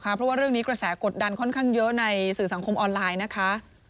เพราะว่าเรื่องนี้กระแสกดดันค่อนข้างเยอะในสื่อสังคมออนไลน์นะคะ